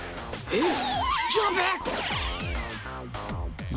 えっ？